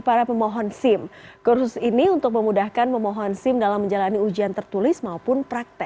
para pemohon simc kursus ini untuk memudahkan pemohon simc dalam menjalani ujian tertulis maupun